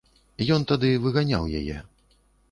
Ён тады выганяў яе.